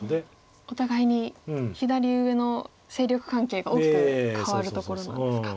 お互いに左上の勢力関係が大きく変わるところなんですか。